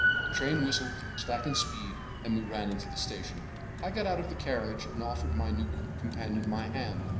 The train whistled, slackened speed, and we ran into the station. I got out of the carriage, and offered my new companion my hand.